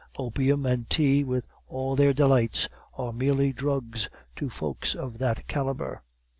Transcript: Opium and tea, with all their delights, are merely drugs to folk of that calibre.